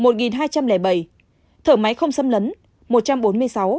thở máy không xâm lấn